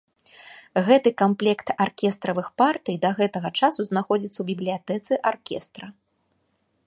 Гэты камплект аркестравых партый да гэтага часу знаходзіцца ў бібліятэцы аркестра.